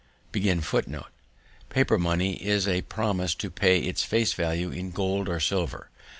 Paper money is a promise to pay its face value in gold or silver.